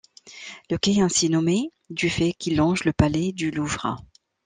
Le quai est ainsi nommé du fait qu'il longe le palais du Louvre.